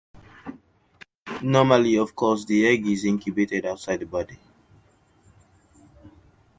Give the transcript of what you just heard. Normally, of course, the egg is incubated outside the body.